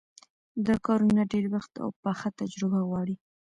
دا کارونه ډېر وخت او پخه تجربه غواړي.